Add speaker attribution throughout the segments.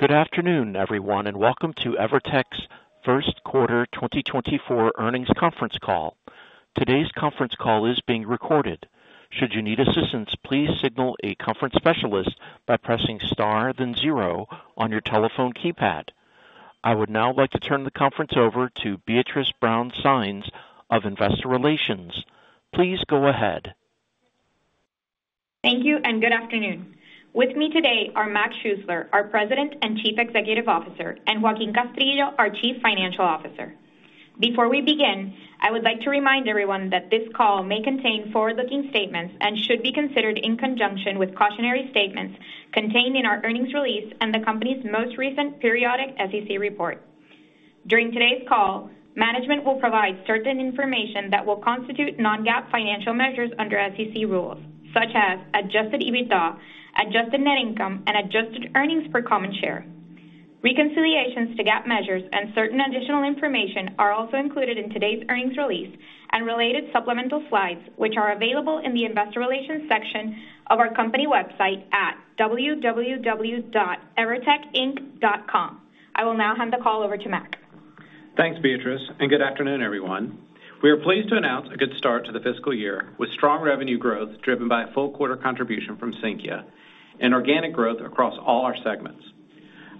Speaker 1: Good afternoon, everyone, and welcome to Evertec's First Quarter 2024 Earnings Conference Call. Today's conference call is being recorded. Should you need assistance, please signal a conference specialist by pressing Star, then zero on your telephone keypad. I would now like to turn the conference over to Beatriz Brown-Sáenz of Investor Relations. Please go ahead.
Speaker 2: Thank you, and good afternoon. With me today are Mac Schuessler, our President and Chief Executive Officer, and Joaquín Castrillo, our Chief Financial Officer. Before we begin, I would like to remind everyone that this call may contain forward-looking statements and should be considered in conjunction with cautionary statements contained in our earnings release and the company's most recent periodic SEC report. During today's call, management will provide certain information that will constitute non-GAAP financial measures under SEC rules, such as adjusted EBITDA, adjusted net income, and adjusted earnings per common share. Reconciliations to GAAP measures and certain additional information are also included in today's earnings release and related supplemental slides, which are available in the Investor Relations section of our company website at www.evertecinc.com. I will now hand the call over to Mac.
Speaker 3: Thanks, Beatriz, and good afternoon, everyone. We are pleased to announce a good start to the fiscal year, with strong revenue growth driven by a full-quarter contribution from Sinqia and organic growth across all our segments.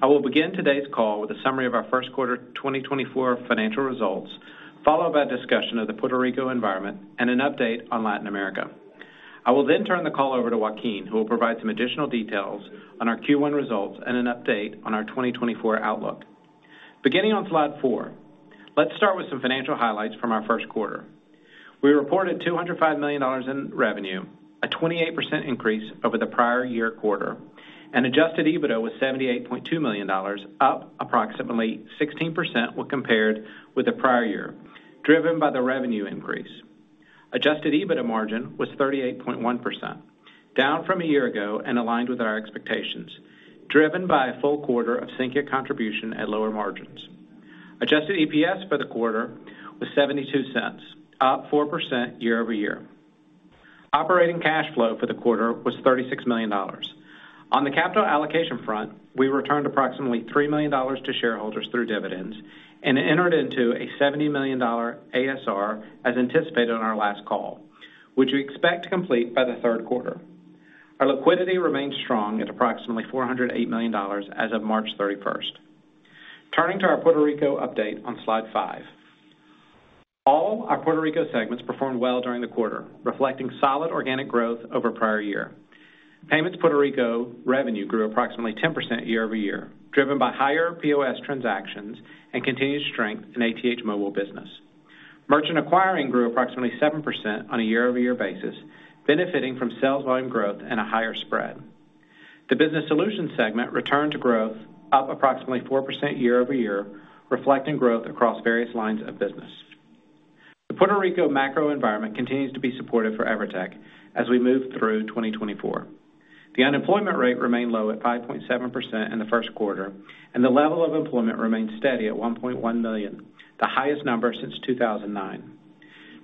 Speaker 3: I will begin today's call with a summary of our first quarter 2024 financial results, followed by a discussion of the Puerto Rico environment and an update on Latin America. I will then turn the call over to Joaquín, who will provide some additional details on our Q1 results and an update on our 2024 outlook. Beginning on slide four, let's start with some financial highlights from our first quarter. We reported $205 million in revenue, a 28% increase over the prior-year quarter, and adjusted EBITDA was $78.2 million, up approximately 16% when compared with the prior year, driven by the revenue increase. Adjusted EBITDA margin was 38.1%, down from a year ago and aligned with our expectations, driven by a full-quarter of Sinqia contribution at lower margins. Adjusted EPS for the quarter was $0.72, up 4% year-over-year. Operating cash flow for the quarter was $36 million. On the capital allocation front, we returned approximately $3 million to shareholders through dividends and entered into a $70 million ASR, as anticipated on our last call, which we expect to complete by the third quarter. Our liquidity remains strong at approximately $408 million as of March 31. Turning to our Puerto Rico update on Slide five. All our Puerto Rico segments performed well during the quarter, reflecting solid organic growth over prior year. Payments Puerto Rico revenue grew approximately 10% year-over-year, driven by higher POS transactions and continued strength in ATH Móvil business. Merchant acquiring grew approximately 7% on a year-over-year basis, benefiting from sales volume growth and a higher spread. The Business Solutions segment returned to growth up approximately 4% year-over-year, reflecting growth across various lines of business. The Puerto Rico macro environment continues to be supportive for Evertec as we move through 2024. The unemployment rate remained low at 5.7% in the first quarter, and the level of employment remains steady at 1.1 million, the highest number since 2009.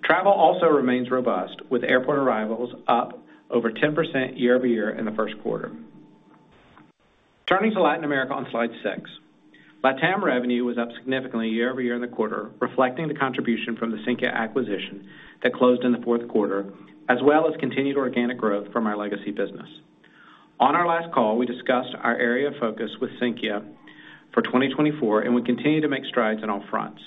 Speaker 3: Travel also remains robust, with airport arrivals up over 10% year-over-year in the first quarter. Turning to Latin America on slide six. LatAm revenue was up significantly year-over-year in the quarter, reflecting the contribution from the Sinqia acquisition that closed in the fourth quarter, as well as continued organic growth from our legacy business. On our last call, we discussed our area of focus with Sinqia for 2024, and we continue to make strides on all fronts.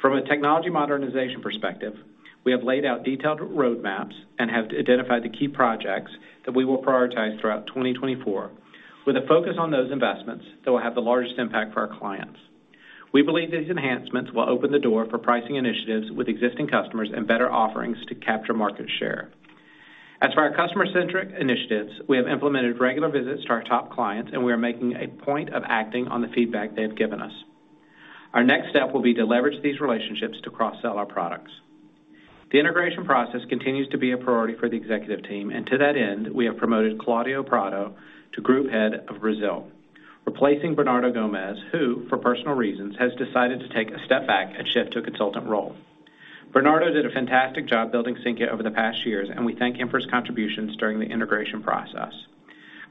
Speaker 3: From a technology modernization perspective, we have laid out detailed roadmaps and have identified the key projects that we will prioritize throughout 2024, with a focus on those investments that will have the largest impact for our clients. We believe these enhancements will open the door for pricing initiatives with existing customers and better offerings to capture market share. As for our customer-centric initiatives, we have implemented regular visits to our top clients, and we are making a point of acting on the feedback they've given us. Our next step will be to leverage these relationships to cross-sell our products. The integration process continues to be a priority for the executive team, and to that end, we have promoted Claudio Prado to Group Head of Brazil, replacing Bernardo Gomes, who, for personal reasons, has decided to take a step back and shift to a consultant role. Bernardo did a fantastic job building Sinqia over the past years, and we thank him for his contributions during the integration process.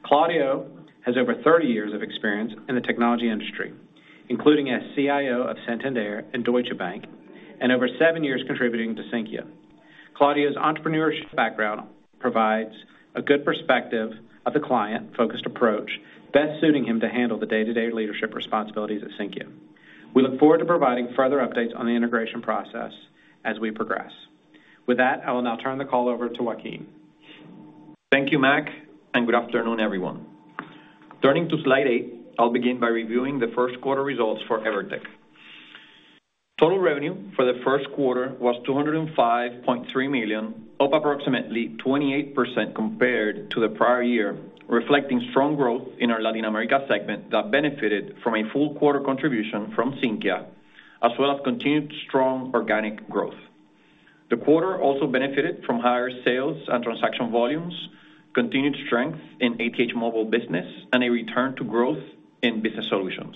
Speaker 3: Claudio has over 30 years of experience in the technology industry, including as CIO of Santander and Deutsche Bank, and over seven years contributing to Sinqia. Claudio's entrepreneurship background provides a good perspective of the client-focused approach, best suiting him to handle the day-to-day leadership responsibilities at Sinqia. We look forward to providing further updates on the integration process as we progress. With that, I will now turn the call over to Joaquín.
Speaker 4: Thank you, Mac, and good afternoon, everyone. Turning to slide eight, I'll begin by reviewing the first quarter results for Evertec. Total revenue for the first quarter was $205.3 million, up approximately 28% compared to the prior year, reflecting strong growth in our Latin America segment that benefited from a full-quarter contribution from Sinqia, as well as continued strong organic growth. The quarter also benefited from higher sales and transaction volumes, continued strength in ATH Móvil business, and a return to growth in business solutions.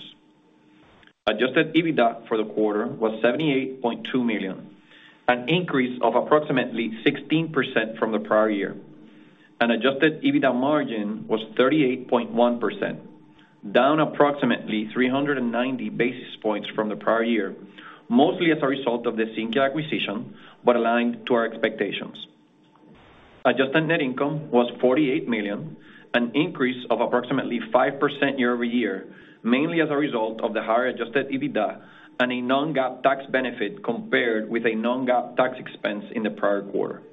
Speaker 4: ...Adjusted EBITDA for the quarter was $78.2 million, an increase of approximately 16% from the prior year. An adjusted EBITDA margin was 38.1%, down approximately 390 basis points from the prior year, mostly as a result of the Sinqia acquisition, but aligned to our expectations. Adjusted net income was $48 million, an increase of approximately 5% year-over-year, mainly as a result of the higher adjusted EBITDA and a non-GAAP tax benefit, compared with a non-GAAP tax expense in the prior quarter.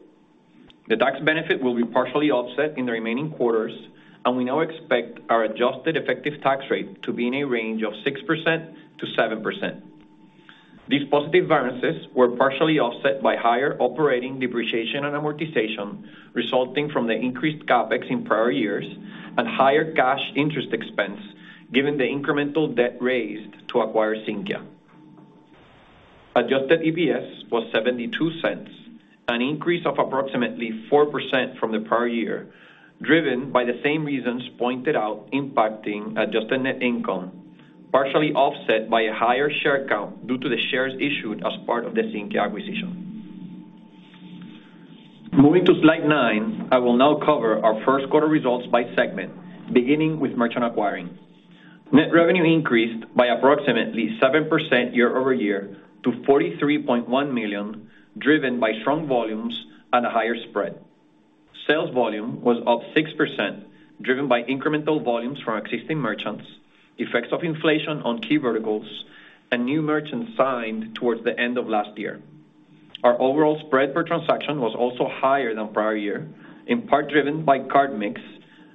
Speaker 4: The tax benefit will be partially offset in the remaining quarters, and we now expect our adjusted effective tax rate to be in a range of 6%-7%. These positive variances were partially offset by higher operating depreciation and amortization, resulting from the increased CapEx in prior years and higher cash interest expense, given the incremental debt raised to acquire Sinqia. Adjusted EPS was $0.72, an increase of approximately 4% from the prior year, driven by the same reasons pointed out impacting adjusted net income, partially offset by a higher share count due to the shares issued as part of the Sinqia acquisition. Moving to slide nine, I will now cover our first quarter results by segment, beginning with Merchant Acquiring. Net revenue increased by approximately 7% year-over-year to $43.1 million, driven by strong volumes and a higher spread. Sales volume was up 6%, driven by incremental volumes from existing merchants, effects of inflation on key verticals, and new merchants signed towards the end of last year. Our overall spread per transaction was also higher than prior year, in part driven by card mix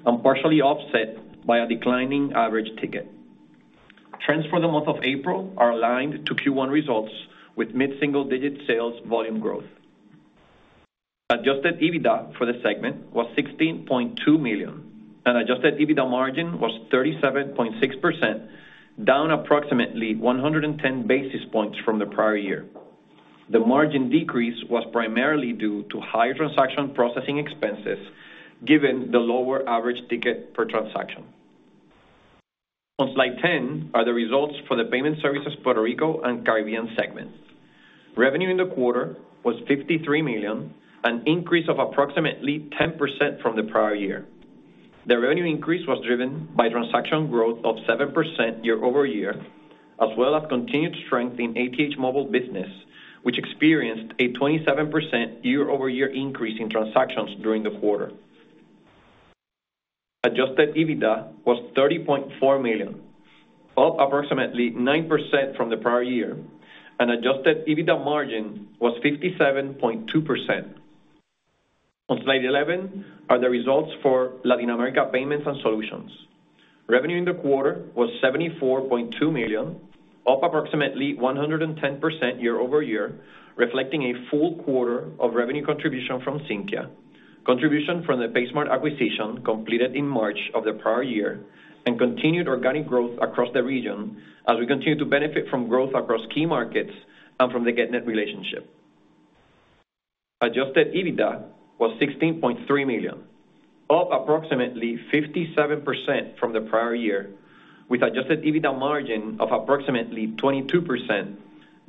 Speaker 4: and partially offset by a declining average ticket. Trends for the month of April are aligned to Q1 results with mid-single-digit sales volume growth. Adjusted EBITDA for the segment was $16.2 million, and Adjusted EBITDA margin was 37.6%, down approximately 110 basis points from the prior year. The margin decrease was primarily due to higher transaction processing expenses, given the lower average ticket per transaction. On slide 10 are the results for the Payment Services Puerto Rico and Caribbean segments. Revenue in the quarter was $53 million, an increase of approximately 10% from the prior year. The revenue increase was driven by transaction growth of 7% year-over-year, as well as continued strength in ATH Móvil business, which experienced a 27% year-over-year increase in transactions during the quarter. Adjusted EBITDA was $30.4 million, up approximately 9% from the prior year, and adjusted EBITDA margin was 57.2%. On slide 11 are the results for Latin America Payments and Solutions. Revenue in the quarter was $74.2 million, up approximately 110% year-over-year, reflecting a full-quarter of revenue contribution from Sinqia, contribution from the PaySmart acquisition completed in March of the prior year, and continued organic growth across the region as we continue to benefit from growth across key markets and from the Getnet relationship. Adjusted EBITDA was $16.3 million, up approximately 57% from the prior year, with adjusted EBITDA margin of approximately 22%,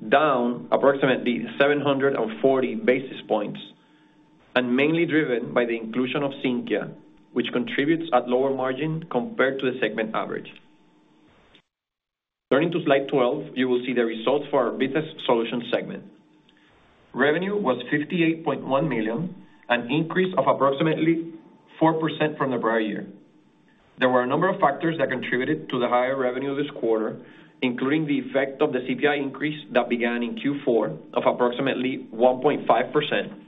Speaker 4: down approximately 740 basis points, and mainly driven by the inclusion of Sinqia, which contributes at lower margin compared to the segment average. Turning to slide 12, you will see the results for our Business Solutions segment. Revenue was $58.1 million, an increase of approximately 4% from the prior year. There were a number of factors that contributed to the higher revenue this quarter, including the effect of the CPI increase that began in Q4 of approximately 1.5%,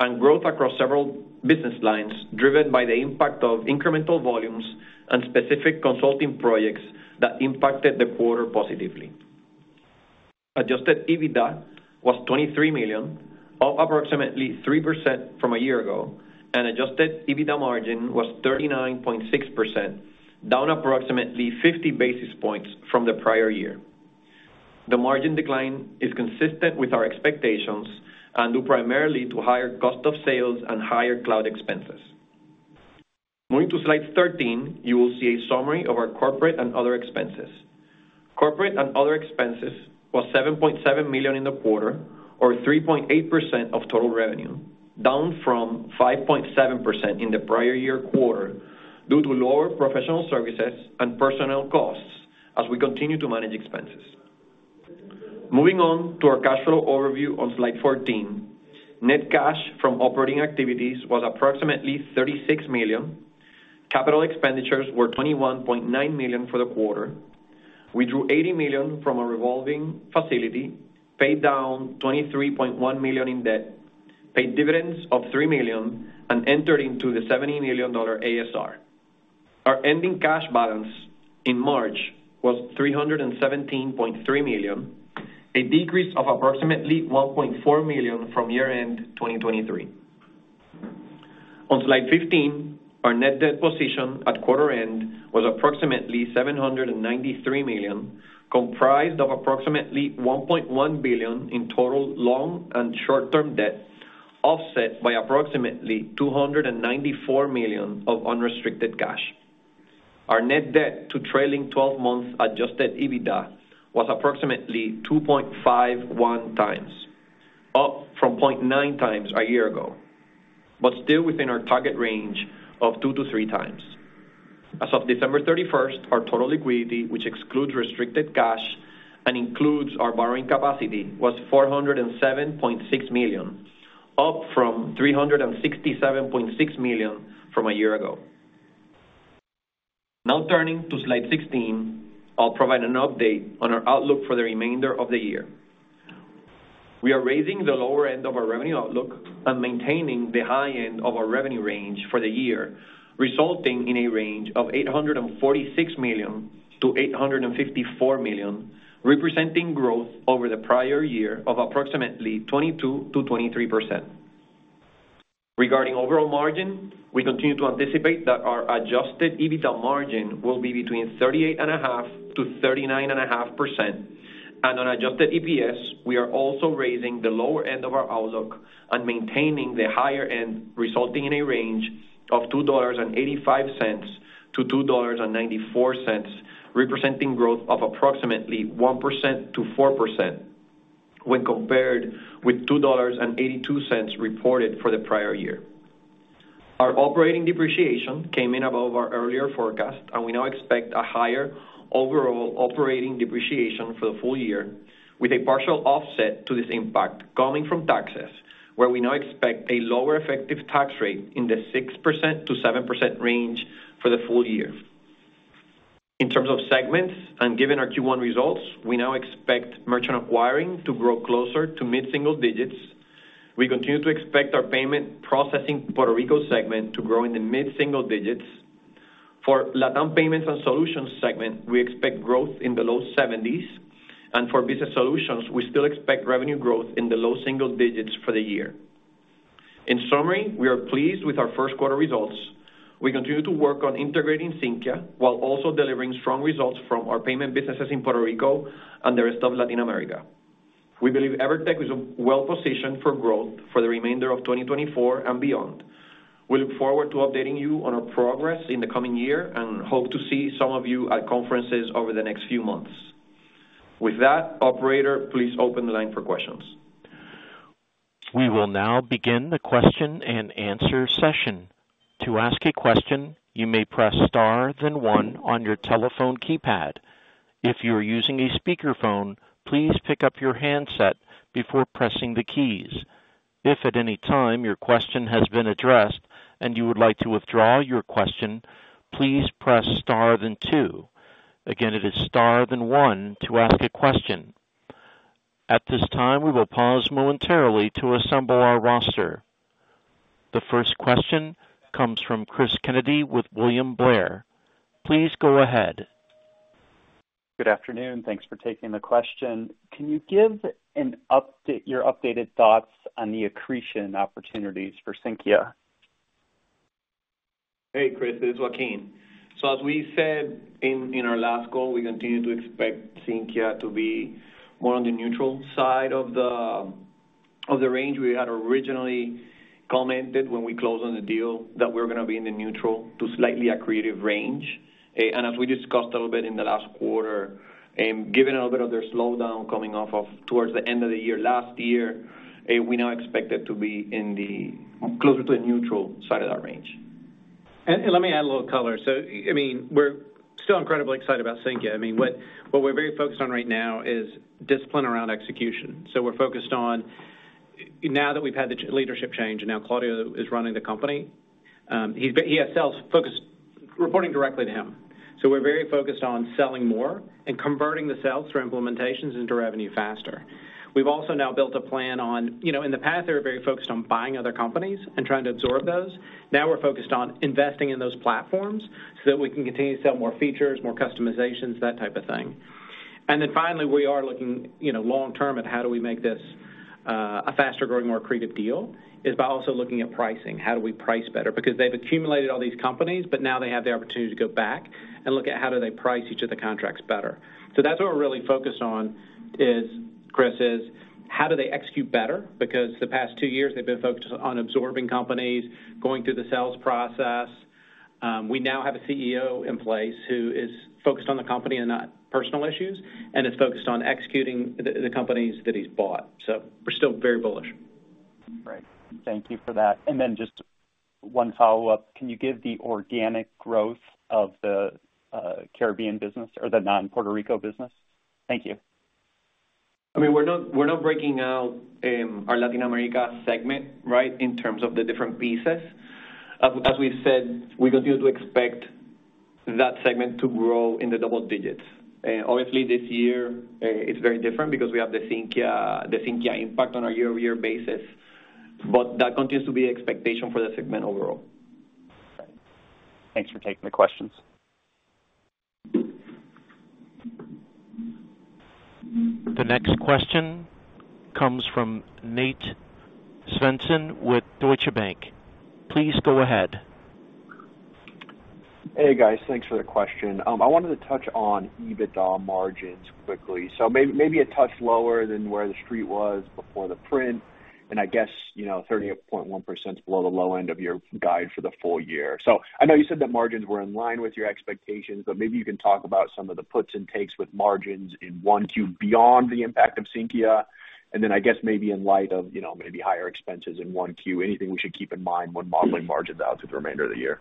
Speaker 4: and growth across several business lines, driven by the impact of incremental volumes and specific consulting projects that impacted the quarter positively. Adjusted EBITDA was $23 million, up approximately 3% from a year ago, and adjusted EBITDA margin was 39.6%, down approximately 50 basis points from the prior year. The margin decline is consistent with our expectations and due primarily to higher cost of sales and higher cloud expenses. Moving to slide 13, you will see a summary of our corporate and other expenses. Corporate and other expenses was $7.7 million in the quarter, or 3.8% of total revenue, down from 5.7% in the prior year quarter due to lower professional services and personnel costs as we continue to manage expenses. Moving on to our cash flow overview on slide 14. Net cash from operating activities was approximately $36 million. Capital expenditures were $21.9 million for the quarter. We drew $80 million from a revolving facility, paid down $23.1 million in debt, paid dividends of $3 million, and entered into the $70 million ASR. Our ending cash balance in March was $317.3 million, a decrease of approximately $1.4 million from year-end 2023. On slide 15, our net debt position at quarter end was approximately $793 million, comprised of approximately $1.1 billion in total long- and short-term debt, offset by approximately $294 million of unrestricted cash. Our net debt to trailing twelve months Adjusted EBITDA was approximately 2.51x, up from 0.9x a year ago, but still within our target range of 2x-3x. As of December 31st, our total liquidity, which excludes restricted cash and includes our borrowing capacity, was $407.6 million, up from $367.6 million from a year ago. Now turning to slide 16, I'll provide an update on our outlook for the remainder of the year. We are raising the lower end of our revenue outlook and maintaining the high end of our revenue range for the year, resulting in a range of $846 million-$854 million, representing growth over the prior year of approximately 22%-23%. Regarding overall margin, we continue to anticipate that our adjusted EBITDA margin will be between 38.5%-39.5%. On Adjusted EPS, we are also raising the lower end of our outlook and maintaining the higher end, resulting in a range of $2.85-2.94, representing growth of approximately 1%-4% when compared with $2.82 reported for the prior year. Our operating depreciation came in above our earlier forecast, and we now expect a higher overall operating depreciation for the full year, with a partial offset to this impact coming from taxes, where we now expect a lower effective tax rate in the 6%-7% range for the full year. In terms of segments and given our Q1 results, we now expect Merchant Acquiring to grow closer to mid-single digits. We continue to expect our payment processing Puerto Rico segment to grow in the mid-single digits. For Latam Payments and Solutions segment, we expect growth in the low 70s, and for Business Solutions, we still expect revenue growth in the low single digits for the year. In summary, we are pleased with our first quarter results. We continue to work on integrating Sinqia, while also delivering strong results from our payment businesses in Puerto Rico and the rest of Latin America. We believe Evertec is well-positioned for growth for the remainder of 2024 and beyond. We look forward to updating you on our progress in the coming year and hope to see some of you at conferences over the next few months. With that, operator, please open the line for questions.
Speaker 1: We will now begin the question and answer session. To ask a question, you may press Star then one on your telephone keypad. If you are using a speakerphone, please pick up your handset before pressing the keys. If at any time your question has been addressed and you would like to withdraw your question, please press Star then two. Again, it is Star then one to ask a question. At this time, we will pause momentarily to assemble our roster. The first question comes from Chris Kennedy with William Blair. Please go ahead.
Speaker 5: Good afternoon. Thanks for taking the question. Can you give an update, your updated thoughts on the accretion opportunities for Sinqia?
Speaker 4: Hey, Chris, it is Joaquín. So as we said in our last call, we continue to expect Sinqia to be more on the neutral side of the range. We had originally commented when we closed on the deal that we're gonna be in the neutral to slightly accretive range. And as we discussed a little bit in the last quarter, and given a little bit of their slowdown coming off of towards the end of the year, last year, we now expect it to be in the closer to the neutral side of that range.
Speaker 3: Let me add a little color. So, I mean, we're still incredibly excited about Sinqia. I mean, what we're very focused on right now is discipline around execution. So we're focused on... Now that we've had the leadership change and now Claudio is running the company, he has sales focused, reporting directly to him. So we're very focused on selling more and converting the sales through implementations into revenue faster. We've also now built a plan on, you know, in the past, they were very focused on buying other companies and trying to absorb those. Now we're focused on investing in those platforms so that we can continue to sell more features, more customizations, that type of thing. And then finally, we are looking, you know, long term at how do we make this a faster-growing, more accretive deal, is by also looking at pricing. How do we price better? Because they've accumulated all these companies, but now they have the opportunity to go back and look at how do they price each of the contracts better. So that's what we're really focused on is, Chris, is how do they execute better? Because the past two years they've been focused on absorbing companies, going through the sales process. We now have a CEO in place who is focused on the company and not personal issues and is focused on executing the companies that he's bought. So we're still very bullish.
Speaker 5: Great. Thank you for that. And then just one follow-up. Can you give the organic growth of the, Caribbean business or the non-Puerto Rico business? Thank you.
Speaker 4: I mean, we're not, we're not breaking out our Latin America segment, right, in terms of the different pieces. As we've said, we continue to expect that segment to grow in the double digits. Obviously, this year, it's very different because we have the Sinqia, the Sinqia impact on a year-over-year basis, but that continues to be expectation for the segment overall.
Speaker 5: Thanks for taking the questions.
Speaker 1: The next question comes from Nate Svensson with Deutsche Bank. Please go ahead. ...
Speaker 6: Hey, guys. Thanks for the question. I wanted to touch on EBITDA margins quickly. So maybe a touch lower than where the street was before the print, and I guess, you know, 38.1% is below the low end of your guide for the full year. So I know you said that margins were in line with your expectations, but maybe you can talk about some of the puts and takes with margins in 1Q beyond the impact of Sinqia. And then, I guess, maybe in light of, you know, maybe higher expenses in 1Q, anything we should keep in mind when modeling margins out to the remainder of the year?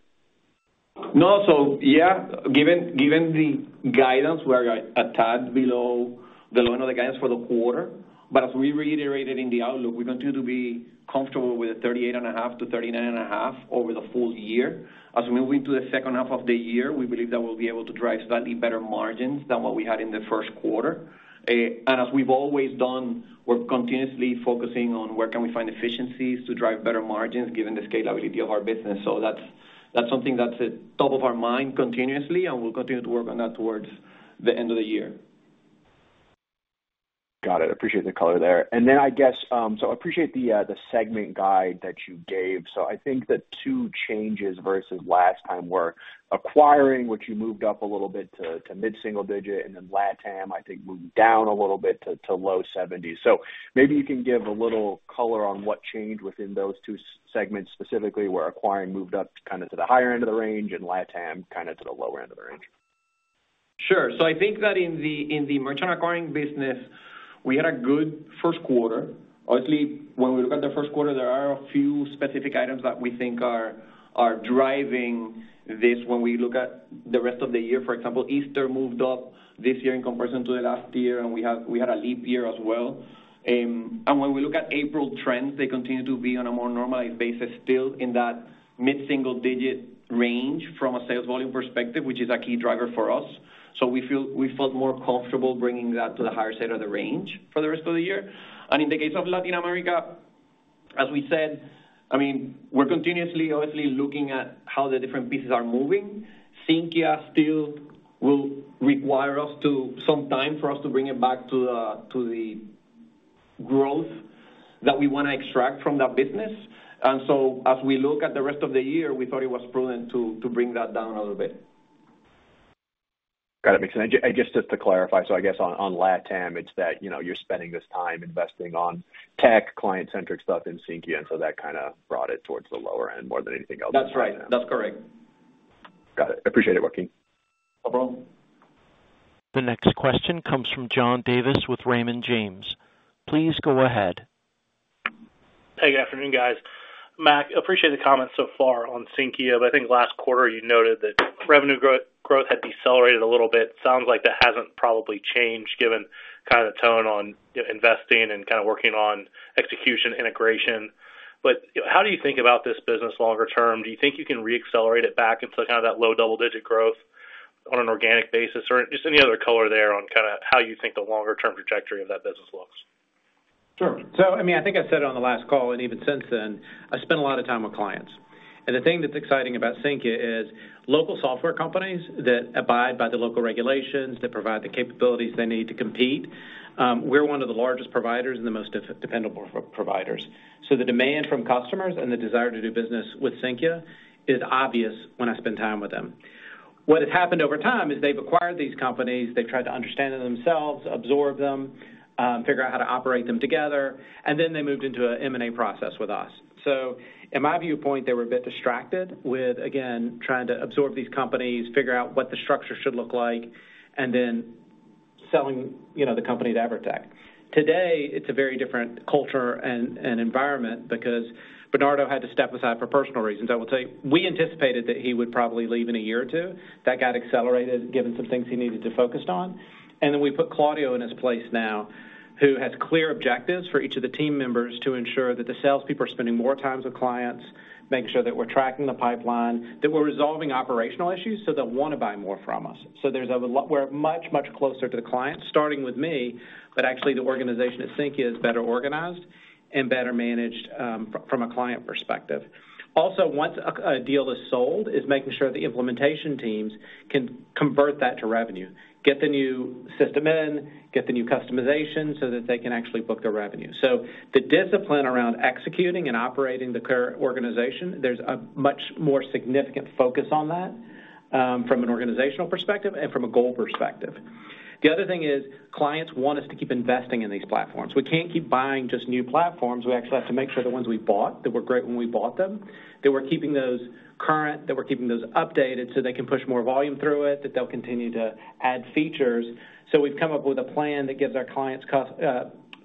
Speaker 4: No. So, yeah, given, given the guidance, we're a tad below the low end of the guidance for the quarter. But as we reiterated in the outlook, we continue to be comfortable with 38.5-39.5 over the full year. As we move into the second half of the year, we believe that we'll be able to drive slightly better margins than what we had in the first quarter. And as we've always done, we're continuously focusing on where can we find efficiencies to drive better margins, given the scalability of our business. So that's, that's something that's at top of our mind continuously, and we'll continue to work on that towards the end of the year.
Speaker 6: Got it. I appreciate the color there. And then, I guess, so I appreciate the segment guide that you gave. So I think the two changes versus last time were acquiring, which you moved up a little bit to mid-single digit, and then Latam, I think, moved down a little bit to low seventies. So maybe you can give a little color on what changed within those two segments, specifically, where acquiring moved up kinda to the higher end of the range and Latam kinda to the lower end of the range.
Speaker 4: Sure. So I think that in the merchant acquiring business, we had a good first quarter. Honestly, when we look at the first quarter, there are a few specific items that we think are driving this when we look at the rest of the year. For example, Easter moved up this year in comparison to the last year, and we had a leap year as well. And when we look at April trends, they continue to be on a more normalized basis, still in that mid-single digit range from a sales volume perspective, which is a key driver for us. So we felt more comfortable bringing that to the higher side of the range for the rest of the year. In the case of Latin America, as we said, I mean, we're continuously, obviously, looking at how the different pieces are moving. Sinqia still will require us to... some time for us to bring it back to the, to the growth that we wanna extract from that business. So as we look at the rest of the year, we thought it was prudent to, to bring that down a little bit.
Speaker 6: Got it. Makes sense. And just, just to clarify, so I guess on, on Latam, it's that, you know, you're spending this time investing on tech, client-centric stuff in Sinqia, and so that kinda brought it towards the lower end more than anything else.
Speaker 4: That's right. That's correct.
Speaker 6: Got it. I appreciate it, Joaquín.
Speaker 4: No problem.
Speaker 1: The next question comes from John Davis with Raymond James. Please go ahead.
Speaker 7: Hey, good afternoon, guys. Mac, appreciate the comments so far on Sinqia, but I think last quarter you noted that revenue growth had decelerated a little bit. Sounds like that hasn't probably changed, given kind of tone on, you know, investing and kinda working on execution integration. But, how do you think about this business longer term? Do you think you can reaccelerate it back into kind of that low double-digit growth on an organic basis? Or just any other color there on kinda how you think the longer-term trajectory of that business looks.
Speaker 3: Sure. So, I mean, I think I said it on the last call, and even since then, I spent a lot of time with clients. And the thing that's exciting about Sinqia is, local software companies that abide by the local regulations, that provide the capabilities they need to compete, we're one of the largest providers and the most dependable providers. So the demand from customers and the desire to do business with Sinqia is obvious when I spend time with them. What has happened over time is they've acquired these companies, they've tried to understand them themselves, absorb them, figure out how to operate them together, and then they moved into an M&A process with us. So in my viewpoint, they were a bit distracted with, again, trying to absorb these companies, figure out what the structure should look like, and then selling, you know, the company to Evertec. Today, it's a very different culture and, and environment because Bernardo had to step aside for personal reasons. I will tell you, we anticipated that he would probably leave in a year or two. That got accelerated, given some things he needed to focus on. And then we put Claudio in his place now, who has clear objectives for each of the team members to ensure that the salespeople are spending more times with clients, making sure that we're tracking the pipeline, that we're resolving operational issues, so they'll wanna buy more from us. So there's a lot—we're much, much closer to the client, starting with me, but actually, the organization at Sinqia is better organized and better managed from a client perspective. Also, once a deal is sold, is making sure the implementation teams can convert that to revenue, get the new system in, get the new customization, so that they can actually book the revenue. So the discipline around executing and operating the current organization, there's a much more significant focus on that from an organizational perspective and from a goal perspective. The other thing is, clients want us to keep investing in these platforms. We can't keep buying just new platforms. We actually have to make sure the ones we bought, that were great when we bought them, that we're keeping those current, that we're keeping those updated so they can push more volume through it, that they'll continue to add features. So we've come up with a plan that gives our clients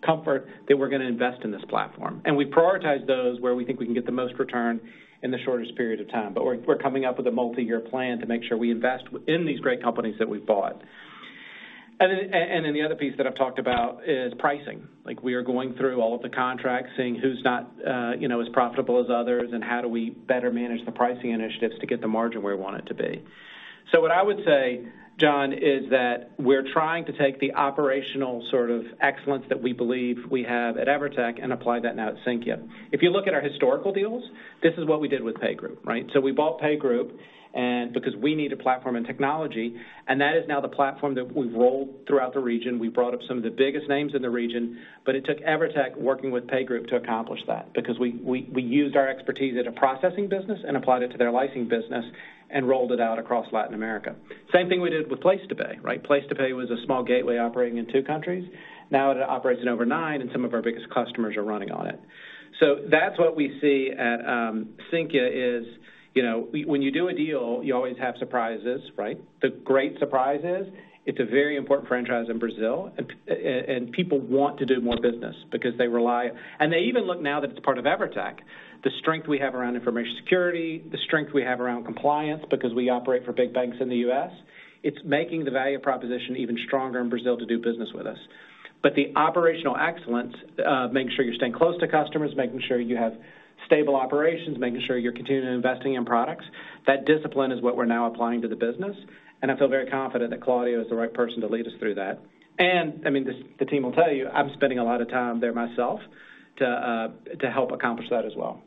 Speaker 3: comfort that we're gonna invest in this platform. And we prioritize those where we think we can get the most return in the shortest period of time. But we're coming up with a multi-year plan to make sure we invest in these great companies that we've bought. And then the other piece that I've talked about is pricing. Like, we are going through all of the contracts, seeing who's not, you know, as profitable as others, and how do we better manage the pricing initiatives to get the margin where we want it to be. So what I would say, John, is that we're trying to take the operational sort of excellence that we believe we have at Evertec and apply that now at Sinqia. If you look at our historical deals, this is what we did with PayGroup, right? So we bought PayGroup, and because we need a platform and technology, and that is now the platform that we've rolled throughout the region. We brought up some of the biggest names in the region, but it took Evertec working with PayGroup to accomplish that, because we used our expertise at a processing business and applied it to their licensing business and rolled it out across Latin America. Same thing we did with Placetopay, right? Placetopay was a small gateway operating in two countries. Now that it operates in over nine and some of our biggest customers are running on it. So that's what we see at Sinqia, you know, when you do a deal, you always have surprises, right? The great surprise is, it's a very important franchise in Brazil, and people want to do more business because they rely—and they even look now that it's part of Evertec, the strength we have around information security, the strength we have around compliance, because we operate for big banks in the U.S., it's making the value proposition even stronger in Brazil to do business with us. But the operational excellence, making sure you're staying close to customers, making sure you have stable operations, making sure you're continuing investing in products, that discipline is what we're now applying to the business, and I feel very confident that Claudio is the right person to lead us through that. And, I mean, the team will tell you, I'm spending a lot of time there myself to help accomplish that as well.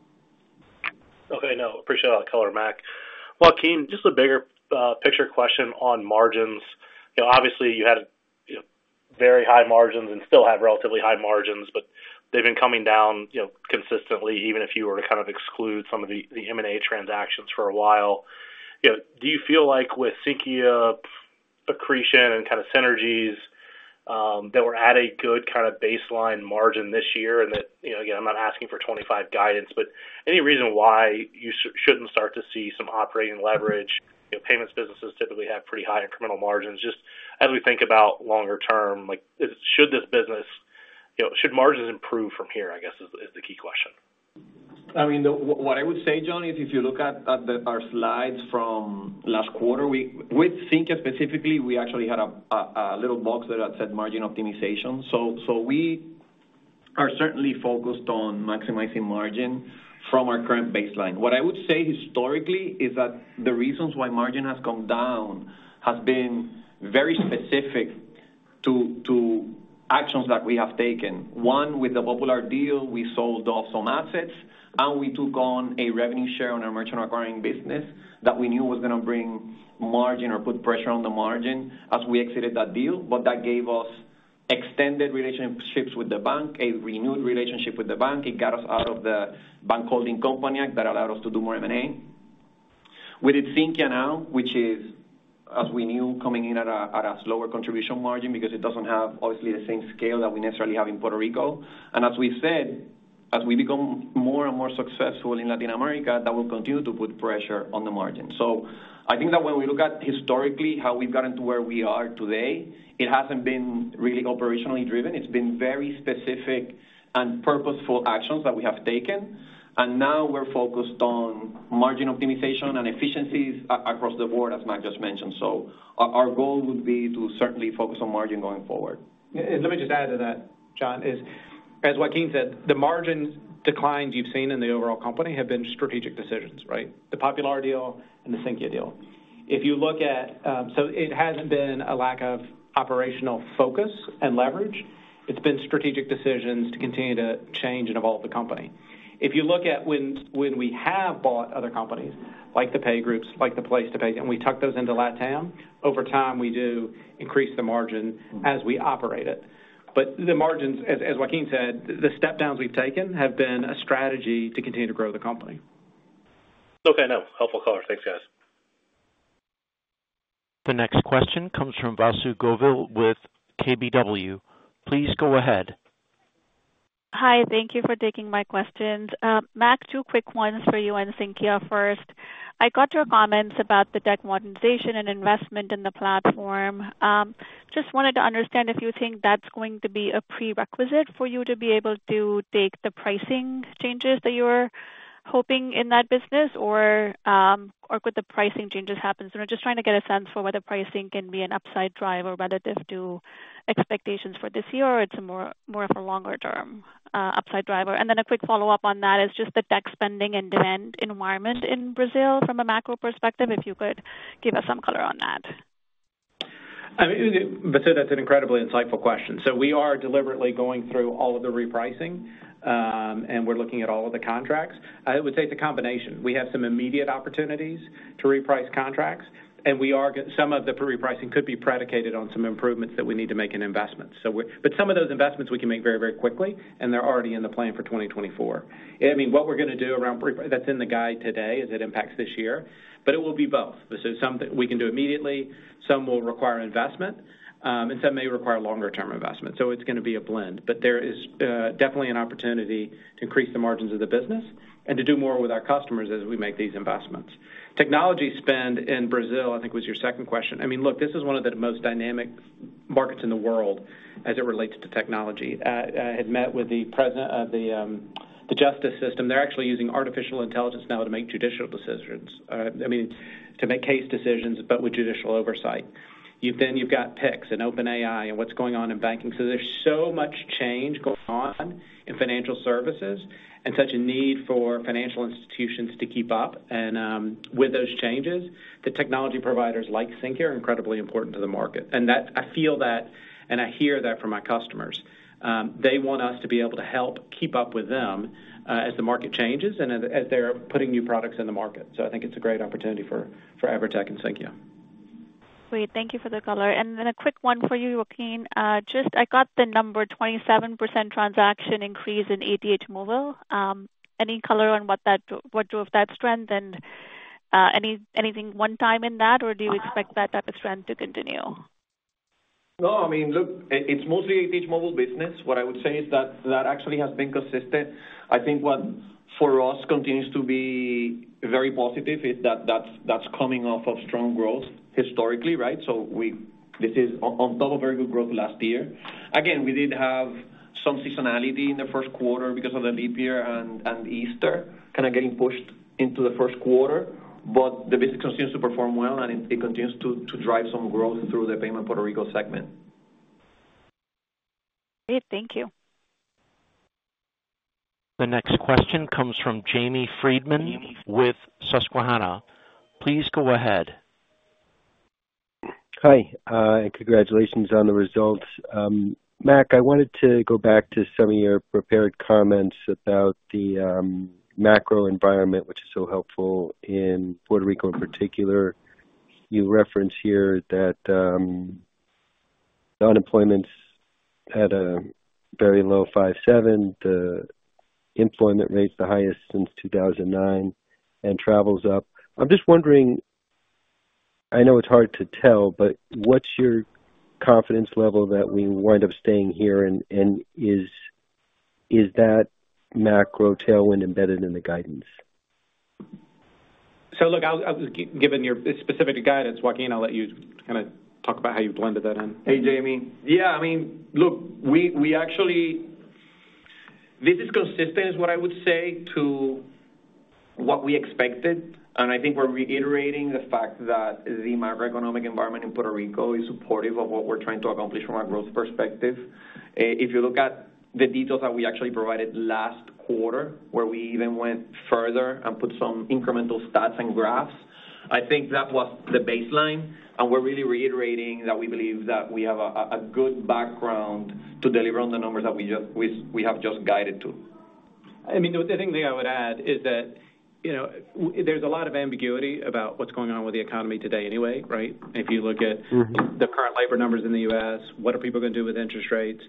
Speaker 7: Okay, now, I appreciate all the color, Mac. Joaquin, just a bigger picture question on margins. You know, obviously, you had, you know, very high margins and still have relatively high margins, but they've been coming down, you know, consistently, even if you were to kind of exclude some of the M&A transactions for a while. You know, do you feel like with Sinqia accretion and kind of synergies, that we're at a good kind of baseline margin this year, and that, you know, again, I'm not asking for 2025 guidance, but any reason why you shouldn't start to see some operating leverage? You know, payments businesses typically have pretty high incremental margins. Just as we think about longer term, like, should this business, you know, should margins improve from here, I guess, is the key question.
Speaker 4: I mean, what I would say, John, is if you look at the our slides from last quarter, with Sinqia specifically, we actually had a little box there that said margin optimization. So we are certainly focused on maximizing margin from our current baseline. What I would say historically is that the reasons why margin has come down has been very specific to actions that we have taken. One, with the Popular deal, we sold off some assets and we took on a revenue share on our merchant acquiring business that we knew was gonna bring margin or put pressure on the margin as we exited that deal. But that gave us extended relationships with the bank, a renewed relationship with the bank. It got us out of the Bank Holding Company Act that allowed us to do more M&A. We did Sinqia now, which is, as we knew, coming in at a slower contribution margin because it doesn't have, obviously, the same scale that we necessarily have in Puerto Rico. And as we said, as we become more and more successful in Latin America, that will continue to put pressure on the margin. So I think that when we look at historically how we've gotten to where we are today, it hasn't been really operationally driven. It's been very specific and purposeful actions that we have taken, and now we're focused on margin optimization and efficiencies across the board, as Mac just mentioned. So our goal would be to certainly focus on margin going forward.
Speaker 3: Let me just add to that, John. As Joaquin said, the margins declines you've seen in the overall company have been strategic decisions, right? The Popular deal and the Sinqia deal. If you look at. So it hasn't been a lack of operational focus and leverage. It's been strategic decisions to continue to change and evolve the company. If you look at when we have bought other companies, like the PayGroup, like the Placetopay, and we tuck those into LatAm, over time, we do increase the margin as we operate it. But the margins, as Joaquin said, the step downs we've taken have been a strategy to continue to grow the company.
Speaker 7: Okay, now. Helpful color. Thanks, guys.
Speaker 1: The next question comes from Vasu Govil with KBW. Please go ahead.
Speaker 8: Hi, thank you for taking my questions. Mac, two quick ones for you on Sinqia first. I got your comments about the debt modernization and investment in the platform. Just wanted to understand if you think that's going to be a prerequisite for you to be able to take the pricing changes that you were hoping in that business, or, or could the pricing changes happen? So I'm just trying to get a sense for whether pricing can be an upside driver relative to expectations for this year, or it's a more, more of a longer-term, upside driver. And then a quick follow-up on that is just the tech spending and demand environment in Brazil from a macro perspective, if you could give us some color on that.
Speaker 3: I mean, Vasu, that's an incredibly insightful question. So we are deliberately going through all of the repricing, and we're looking at all of the contracts. I would say it's a combination. We have some immediate opportunities to reprice contracts, and some of the repricing could be predicated on some improvements that we need to make in investments. But some of those investments we can make very, very quickly, and they're already in the plan for 2024. I mean, what we're gonna do around repricing, that's in the guide today, as it impacts this year, but it will be both. So some that we can do immediately, some will require investment, and some may require longer-term investment, so it's gonna be a blend. But there is definitely an opportunity to increase the margins of the business and to do more with our customers as we make these investments. Technology spend in Brazil, I think, was your second question. I mean, look, this is one of the most dynamic markets in the world as it relates to technology. I had met with the president of the justice system. They're actually using artificial intelligence now to make judicial decisions. I mean, to make case decisions, but with judicial oversight. Then you've got Pix and OpenAI and what's going on in banking. So there's so much change going on in financial services and such a need for financial institutions to keep up. And with those changes, the technology providers like Sinqia are incredibly important to the market. And I feel that, and I hear that from my customers. They want us to be able to help keep up with them as the market changes and as they're putting new products in the market. So I think it's a great opportunity for Evertec and Sinqia.
Speaker 8: Great. Thank you for the color. And then a quick one for you, Joaquín. Just I got the number, 27% transaction increase in ATH Móvil. Any color on what that—what drove that strength and—... anything one time in that, or do you expect that type of trend to continue?
Speaker 4: No, I mean, look, it, it's mostly ATH Móvil's mobile business. What I would say is that that actually has been consistent. I think what for us continues to be very positive is that that's, that's coming off of strong growth historically, right? So we, this is on, on top of very good growth last year. Again, we did have some seasonality in the first quarter because of the leap year and, and Easter kind of getting pushed into the first quarter, but the business continues to perform well, and it, it continues to, to drive some growth through the Payment Puerto Rico segment.
Speaker 8: Great. Thank you.
Speaker 1: The next question comes from Jamie Friedman with Susquehanna. Please go ahead.
Speaker 9: Hi, and congratulations on the results. Mac, I wanted to go back to some of your prepared comments about the macro environment, which is so helpful in Puerto Rico in particular. You reference here that the unemployment's at a very low 5.7%, the employment rate's the highest since 2009, and travel's up. I'm just wondering, I know it's hard to tell, but what's your confidence level that we wind up staying here, and is that macro tailwind embedded in the guidance?
Speaker 3: So look, I'll give your... Specific to guidance, Joaquín, I'll let you kind of talk about how you blended that in.
Speaker 4: Hey, Jamie. Yeah, I mean, look, we actually, this is consistent, is what I would say, to what we expected, and I think we're reiterating the fact that the macroeconomic environment in Puerto Rico is supportive of what we're trying to accomplish from a growth perspective. If you look at the details that we actually provided last quarter, where we even went further and put some incremental stats and graphs, I think that was the baseline, and we're really reiterating that we believe that we have a good background to deliver on the numbers that we have just guided to.
Speaker 3: I mean, the thing I would add is that, you know, there's a lot of ambiguity about what's going on with the economy today anyway, right? If you look at-
Speaker 9: Mm-hmm.
Speaker 3: the current labor numbers in the U.S., what are people gonna do with interest rates?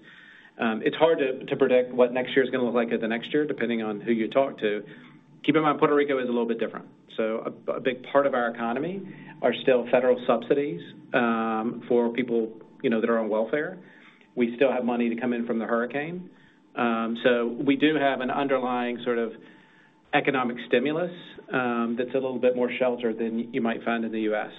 Speaker 3: It's hard to predict what next year is gonna look like at the next year, depending on who you talk to. Keep in mind, Puerto Rico is a little bit different. So a big part of our economy are still federal subsidies, for people, you know, that are on welfare. We still have money to come in from the hurricane. So we do have an underlying sort of economic stimulus, that's a little bit more sheltered than you might find in the U.S.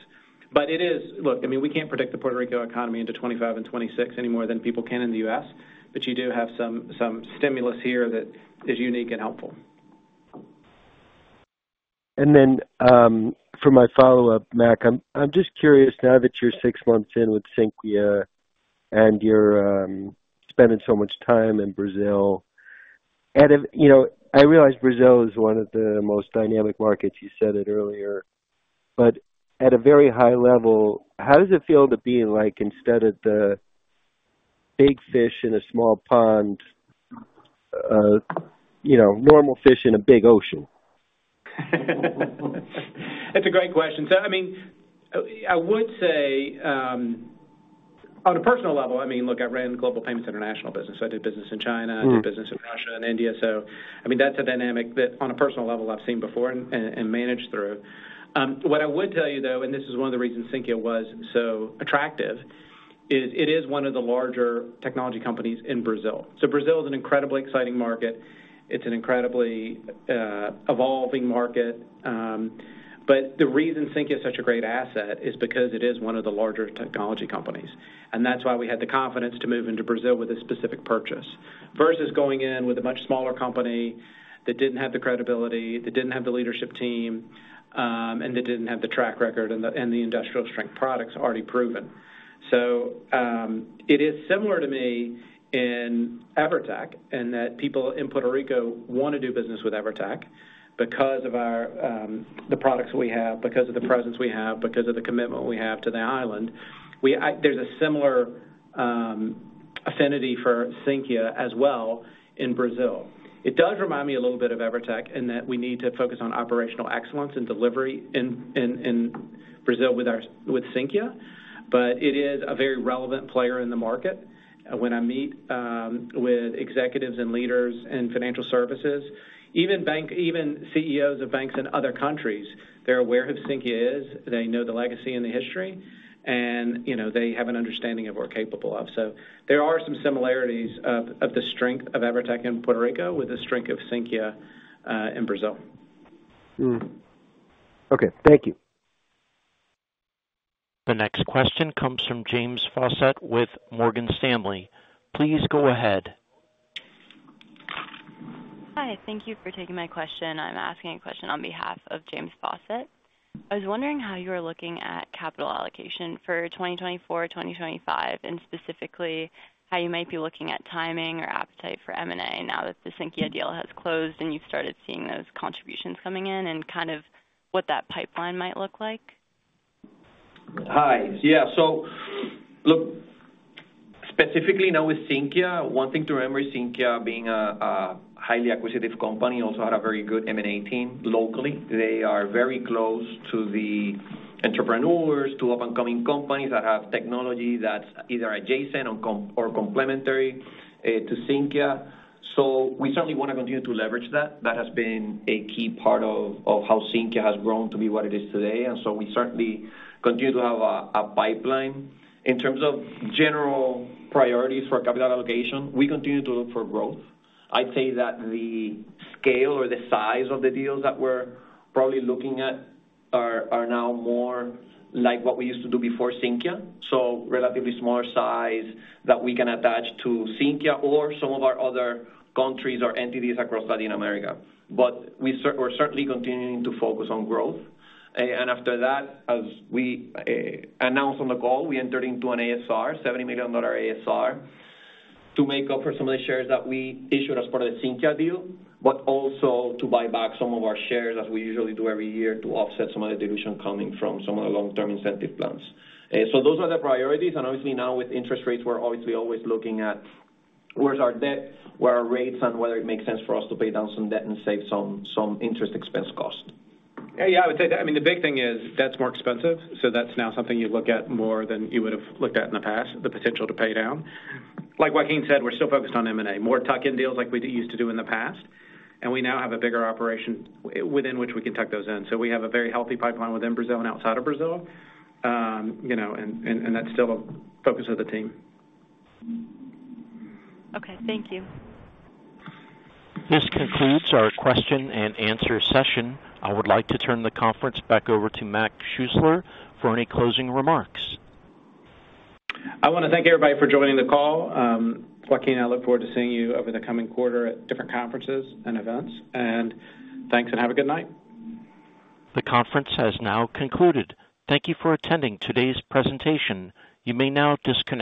Speaker 3: But it is... Look, I mean, we can't predict the Puerto Rico economy into 2025 and 2026 any more than people can in the U.S., but you do have some stimulus here that is unique and helpful.
Speaker 9: Then, for my follow-up, Mac, I'm just curious, now that you're six months in with Sinqia, and you're spending so much time in Brazil, you know, I realize Brazil is one of the most dynamic markets, you said it earlier. But at a very high level, how does it feel to be, like, instead of the big fish in a small pond, you know, normal fish in a big ocean?
Speaker 3: That's a great question. So, I mean, I would say, on a personal level, I mean, look, I ran the global payments international business. I did business in China-
Speaker 9: Mm.
Speaker 3: I did business in Russia and India, so, I mean, that's a dynamic that, on a personal level, I've seen before and managed through. What I would tell you, though, and this is one of the reasons Sinqia was so attractive, is it is one of the larger technology companies in Brazil. So Brazil is an incredibly exciting market. It's an incredibly evolving market. But the reason Sinqia is such a great asset is because it is one of the larger technology companies, and that's why we had the confidence to move into Brazil with a specific purchase. Versus going in with a much smaller company that didn't have the credibility, that didn't have the leadership team, and that didn't have the track record and the industrial strength products already proven. So, it is similar to me in Evertec, in that people in Puerto Rico want to do business with Evertec because of our, the products we have, because of the presence we have, because of the commitment we have to the island. There's a similar affinity for Sinqia as well in Brazil. It does remind me a little bit of Evertec, in that we need to focus on operational excellence and delivery in Brazil with Sinqia, but it is a very relevant player in the market. When I meet with executives and leaders in financial services, even bank, even CEOs of banks in other countries, they're aware of who Sinqia is, they know the legacy and the history, and, you know, they have an understanding of we're capable of. So there are some similarities of the strength of Evertec in Puerto Rico with the strength of Sinqia in Brazil.
Speaker 9: Mm. Okay, thank you.
Speaker 1: The next question comes from James Faucette with Morgan Stanley. Please go ahead.
Speaker 10: Hi, thank you for taking my question. I'm asking a question on behalf of James Faucette. I was wondering how you were looking at capital allocation for 2024, 2025, and specifically, how you might be looking at timing or appetite for M&A now that the Sinqia deal has closed and you've started seeing those contributions coming in, and kind of what that pipeline might look like.
Speaker 4: Hi. Yeah, so look, specifically now with Sinqia, one thing to remember is Sinqia, being a highly acquisitive company, also had a very good M&A team locally. They are very close to the entrepreneurs, to up-and-coming companies that have technology that's either adjacent or complementary to Sinqia. So we certainly wanna continue to leverage that. That has been a key part of how Sinqia has grown to be what it is today, and so we certainly continue to have a pipeline. In terms of general priorities for capital allocation, we continue to look for growth. I'd say that the scale or the size of the deals that we're probably looking at are now more like what we used to do before Sinqia, so relatively smaller size that we can attach to Sinqia or some of our other countries or entities across Latin America. But we're certainly continuing to focus on growth. And after that, as we announced on the call, we entered into an ASR, $70 million ASR, to make up for some of the shares that we issued as part of the Sinqia deal, but also to buy back some of our shares, as we usually do every year, to offset some of the dilution coming from some of the long-term incentive plans. So those are the priorities, and obviously now with interest rates, we're obviously always looking at where's our debt, where are our rates, and whether it makes sense for us to pay down some debt and save some interest expense cost.
Speaker 3: Yeah, I would say that, I mean, the big thing is debt's more expensive, so that's now something you look at more than you would've looked at in the past, the potential to pay down. Like Joaquín said, we're still focused on M&A, more tuck-in deals like we used to do in the past, and we now have a bigger operation within which we can tuck those in. So we have a very healthy pipeline within Brazil and outside of Brazil. You know, and that's still a focus of the team.
Speaker 10: Okay. Thank you.
Speaker 1: This concludes our question and answer session. I would like to turn the conference back over to Mac Schuessler for any closing remarks.
Speaker 3: I wanna thank everybody for joining the call. Joaquín, I look forward to seeing you over the coming quarter at different conferences and events. And thanks, and have a good night.
Speaker 1: The conference has now concluded. Thank you for attending today's presentation. You may now disconnect.